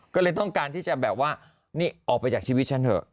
ก็เลยต้องการที่จะแบบว่านี่ออกไปจากชีวิตฉันเถอะ